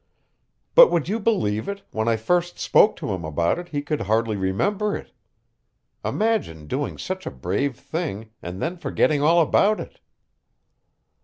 But would you believe it, when I first spoke to him about it he could hardly remember it. Imagine doing such a brave thing, and then forgetting all about it."